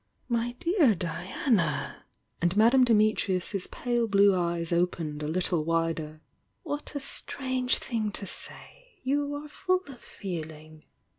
"My dear Diana!" And Madame Dimitrius's pale blue eyes opened a little wider. "What a strange thing to say! You are full of feeling!"